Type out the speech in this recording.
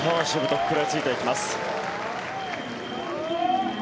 食らいついていきます。